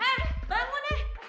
hei bangun eh